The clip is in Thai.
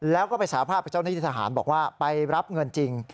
แล้วก็ไปสาภาพกับเจ้าหน้าที่ทหารบอกว่าไปรับเงินจริง